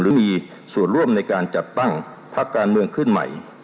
หรือมีส่วนร่วมในการจัดตั้งพักการเมืองขึ้นใหม่